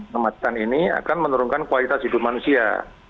kemacetan ini akan menurunkan kualitas hidup manusia